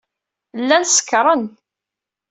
Llan sekṛen.